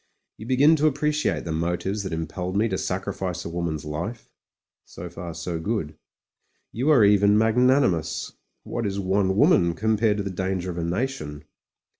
You begin to appre ciate the motives that impelled me to sacrifice a wom an's life; so far so good. You are even mag nanimous : what is one woman compared to the dan ger of a nation?